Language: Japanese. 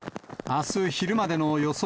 あす昼までの予想